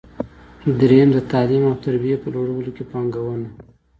درېیم: د تعلیم او تربیې په لوړولو کې پانګونه.